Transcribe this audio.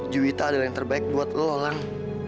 juwita adalah yang terbaik buat lo lang